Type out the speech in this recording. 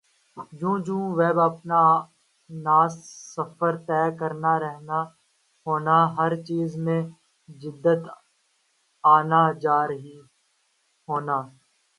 جوں جوں ویب اپنانا سفر طے کرنا رہنا ہونا ہَر چیز میں جدت آنا جارہی ہونا